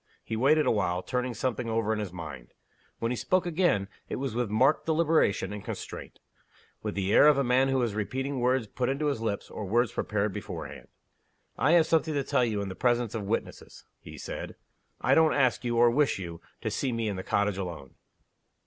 He waited a while, turning something over in his mind. When he spoke again, it was with marked deliberation and constraint with the air of a man who was repeating words put into his lips, or words prepared beforehand. "I have something to tell you in the presence of witnesses," he said. "I don't ask you, or wish you, to see me in the cottage alone."